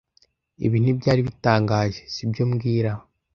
Ibi ntibyari bitangaje, si byo mbwira